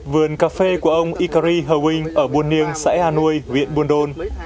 vườn cà phê của ông ikari hauing ở buôn niêng xã a nui viện buôn đôn